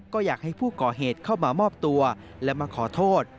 ก็อยากให้ผู้ก่อเหตุเข้ามามอบตัวและมาขอโทษ